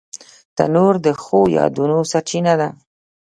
تنور د ښو یادونو سرچینه ده